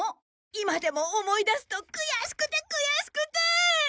今でも思い出すと悔しくて悔しくて！